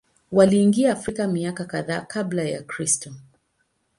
Waliingia Afrika miaka kadhaa Kabla ya Kristo.